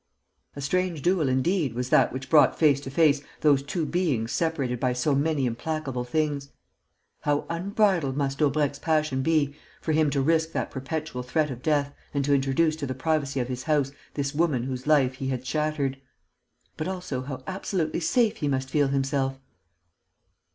A strange duel indeed was that which brought face to face those two beings separated by so many implacable things! How unbridled must Daubrecq's passion be for him to risk that perpetual threat of death and to introduce to the privacy of his house this woman whose life he had shattered! But also how absolutely safe he must feel himself!